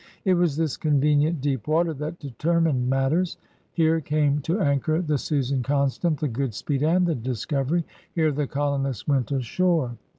It was this convenient deep water that determined matters. Here came to anchor the Susan Conatani^ the Good speedy and the Discovery. Here the colonists went ashore.